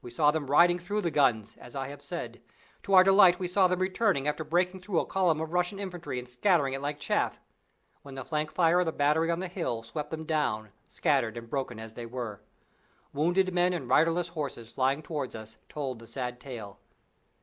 We saw them riding through the guns, as I have said: to our delight we saw them returning after breaking through a column of Russian infantry and scattering it like chaff, when the flank fire of the battery on the hill swept them down scattered and broken as they were. Wounded men and riderless horses flying towards us told the sad tale.